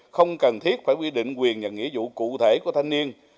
không cần thiết phải quy định quyền và nghĩa vụ cụ thể của thanh niên